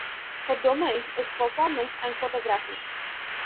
Her domain is performance and photography.